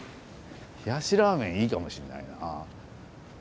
冷やしラーメンいいかもしれないな。